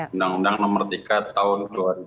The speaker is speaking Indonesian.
undang undang nomor tiga tahun dua ribu dua